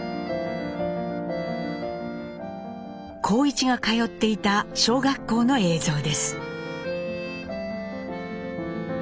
幸一が通っていた小学校の映像です。